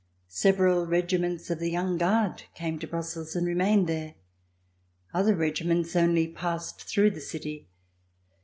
Several regiments of the Young Guard came to Brussels and remained there. Other regiments only passed through the city.